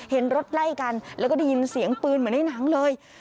เห็นรถไล่กันแล้วก็ได้ยินเสียงปืนเหมือนในหนังเลย